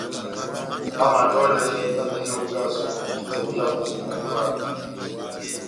Bá madolè bá mɛdɛndi ilonga sukulu ihitɛ ó Yaondɛ na Ivala.